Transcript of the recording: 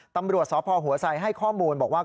ตำรวจสพหัวไซดให้ข้อมูลบอกว่า